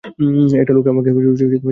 একটা লোক আমাকে জিম্মি করে রেখেছিল।